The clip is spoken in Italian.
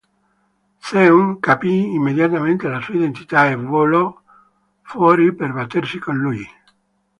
Seong capì immediatamente la sua identità, e volò fuori per battersi con lui.